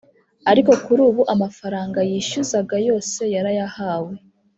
Ariko kuri ubu amafaranga yishyuzaga yose yarayahawe